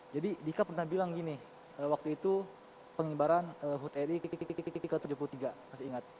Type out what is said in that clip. jadi dika pernah bilang gini waktu itu pengibaran hut eri ke tujuh puluh tiga